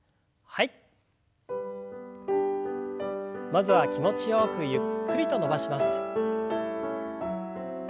まずは気持ちよくゆっくりと伸ばします。